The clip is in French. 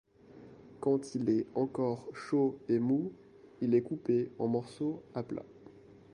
Quand il est encore chaud et mou, il est coupé en morceaux à plat.